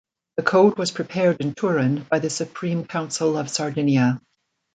The code was prepared in Turin by the Supreme Council of Sardinia.